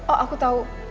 oh aku tahu